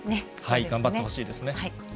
頑張ってほしいですね。